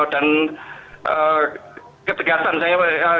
dan ketegasan saya